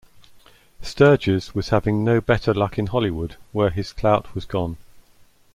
Sturges was having no better luck in Hollywood, where his clout was gone.